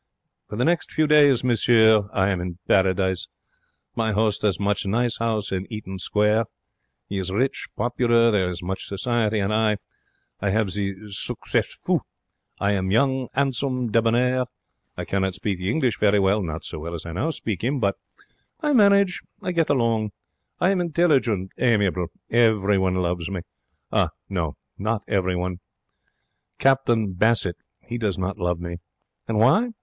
For the next few days, monsieur, I am in Paradise. My 'ost has much nice 'ouse in Eaton Square. He is rich, popular. There is much society. And I I have the succes fou. I am young, 'andsome, debonair. I cannot speak the English very well not so well as I now speak 'im but I manage. I get along. I am intelligent, amiable. Everyone loves me. No, not everyone. Captain Bassett, he does not love me. And why?